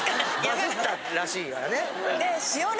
バズったらしいからね。